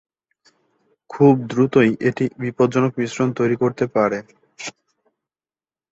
খুব দ্রুতই এটি বিপজ্জনক মিশ্রণ তৈরি করতে পারে।